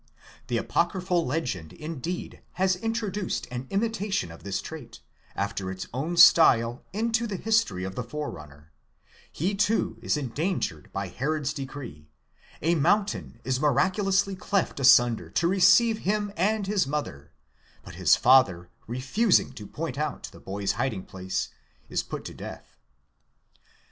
The apo cryphal legend, indeed, has introduced an imitation of this trait, after its owa style, into the history of the Forerunner he, too, is endangered by Herod's decree, a mountain is miraculously cleft asunder to receive him and_his mother, but his father refusing to point out the boy's hiding place, is put to death."